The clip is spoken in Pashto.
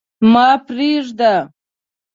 ما پرېږده.